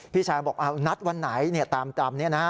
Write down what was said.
พี่ชายบอกนัดวันไหนตามนี้นะฮะ